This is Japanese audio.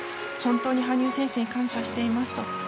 本当に羽生選手に感謝していますと。